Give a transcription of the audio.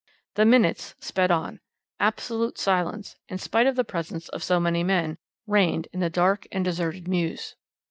"The minutes sped on; absolute silence, in spite of the presence of so many men, reigned in the dark and deserted mews.